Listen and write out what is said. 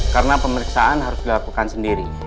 karena pemeriksaan harus dilakukan sendiri